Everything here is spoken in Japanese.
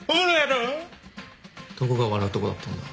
どこが笑うとこだったんだ？